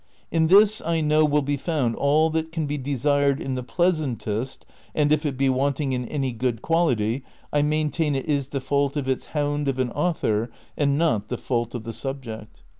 In this I know will be found all that can be desired in the pleasantest, and if it be wanting in any good quality, I maintain it is the fault of its hound of an author and not the fault of the subject.